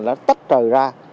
nó tách trời ra